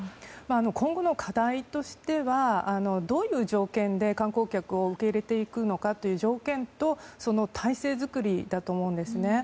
今後の課題としてはどういう条件で観光客を受け入れていくのかという条件とその体制作りだと思うんですね。